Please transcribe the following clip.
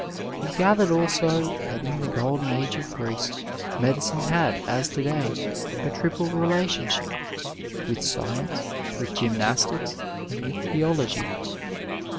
We gathered also that in the golden age of Greece, medicine had, as to day, a triple relationship, with science, with gynmastics, and with theology.